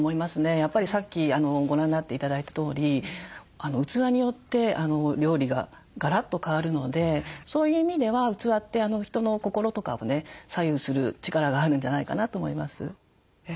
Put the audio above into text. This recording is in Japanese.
やっぱりさっきご覧になって頂いたとおり器によって料理がガラッと変わるのでそういう意味では器って人の心とかをね左右する力があるんじゃないかなと思います。